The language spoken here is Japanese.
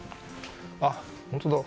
あっ本当だ